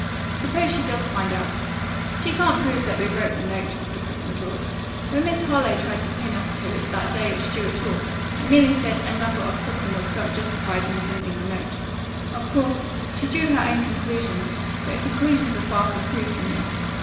"Suppose she does find out?" "She can't prove that we wrote the note," was the quick retort. "When Miss Harlowe tried to pin us to it that day at Stuart Hall I merely said that a number of sophomores felt justified in sending the note. Of course, she drew her own conclusions, but conclusions are far from proof, you know.